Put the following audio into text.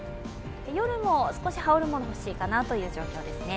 夜も少し羽織るものが欲しいかなという状況ですね。